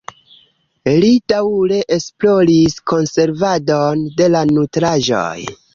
Li daŭre esploris konservadon de la nutraĵoj.